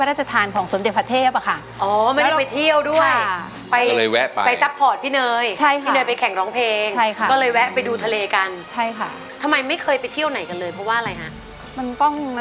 ล่าสุดแบบว่าครั้งเดียวเลยก็คือทะเล